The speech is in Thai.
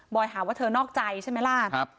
หาว่าเธอนอกใจใช่ไหมล่ะ